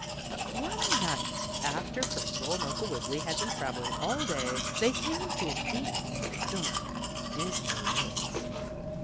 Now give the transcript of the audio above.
But one night, after Percival and Uncle Wiggily had been traveling all day, they came to a deep, dark, dismal woods.